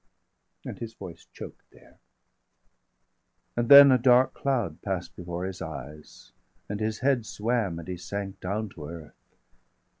_ and his voice choked there. And then a dark cloud pass'd before his eyes, And his head swam, and he sank down to earth.